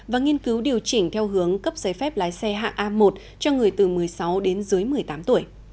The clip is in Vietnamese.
và nghiên cứu điều chỉnh theo hướng cấp giấy phép lái xe hạng a một cho người từ một mươi sáu đến dưới một mươi tám tuổi